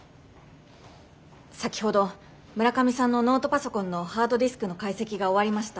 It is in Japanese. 先ほど村上さんのノートパソコンのハードディスクの解析が終わりました。